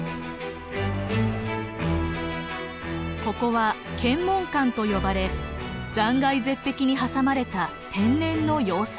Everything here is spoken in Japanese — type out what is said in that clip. ここは剣門関と呼ばれ断崖絶壁に挟まれた天然の要塞。